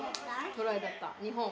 トライだった日本。